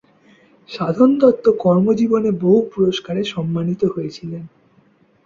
সাধন দত্ত কর্মজীবনে বহু পুরস্কারে সম্মানিত হয়েছিলেন।